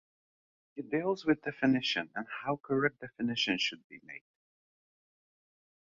He deals with definition, and how a correct definition should be made.